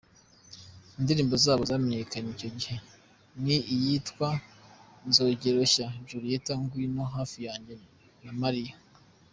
Indirimbo zabo zamenyekanye icyo gihe ni iyitwa: Nzogiroshya, Julieta, Ngwino hafi yanjye na Mariya.